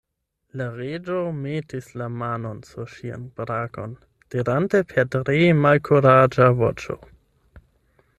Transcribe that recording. La Reĝo metis la manon sur ŝian brakon, dirante per tre malkuraĝa voĉo.